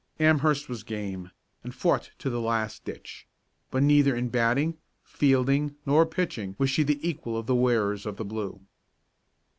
Amherst was game, and fought to the last ditch, but neither in batting, fielding nor pitching was she the equal of the wearers of the blue.